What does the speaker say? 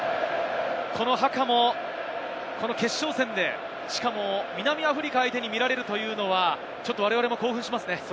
このハカも決勝戦で、しかも、南アフリカを相手に見られるというのはわれわれも興奮しますね。